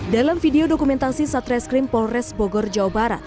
dalam video dokumentasi satreskrim polres bogor jawa barat